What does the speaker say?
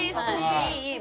・いいいい。